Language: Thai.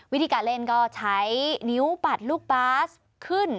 วิธีการเล่นก็ใช้นิ้วปัดลูกบาสขึ้น